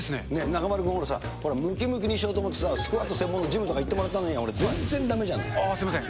中丸君、ほらさ、むきむきにしようと思って、スクワット専門のジムとか行ってもらったのに、すみません。